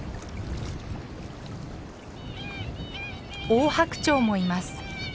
オオハクチョウもいます。